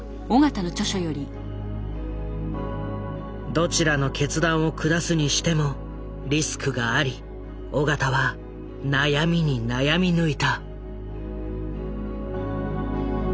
どちらの決断を下すにしてもリスクがあり緒方は悩みに悩み抜いた。